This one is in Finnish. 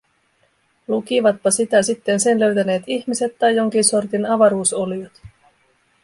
Lukivatpa sitä sitten sen löytäneet ihmiset tai jonkin sortin avaruusoliot.